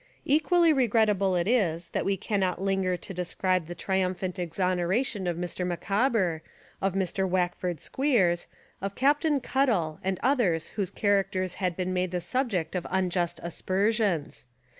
Equally regrettable it is that we cannot linger to describe the triumphant exoneration of Mr. Micawber, of Mr. Wackford Squeers, of Captain Cuttle and others whose characters had been made the subject of unjust aspersions.